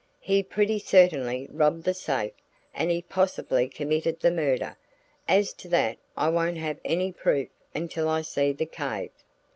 He pretty certainly robbed the safe and he possibly committed the murder as to that I won't have any proof until I see the cave."